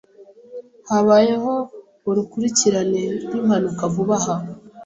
Habayeho urukurikirane rwimpanuka vuba aha.